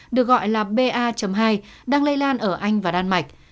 được gọi là ba hai đang lây lan ở anh và đan mạch